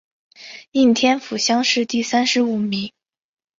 应天府乡试第三十五名。